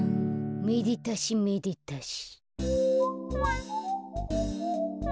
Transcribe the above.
めでたしめでたし。